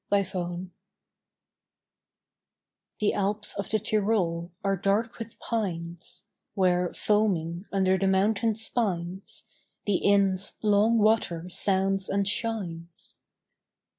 ZYPS OF ZIRL The Alps of the Tyrol are dark with pines, Where, foaming under the mountain spines, The Inn's long water sounds and shines.